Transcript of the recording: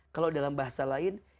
kalau dalam bahasa lain